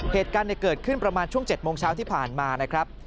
เหตุการณ์เกิดขึ้นประมาณช่วง๗โมงเช้าที่ผ่านมานะครับ